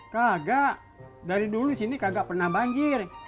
kagak dari dulu sini kagak pernah banjir